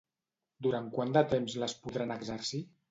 Durant quant de temps les podran exercir?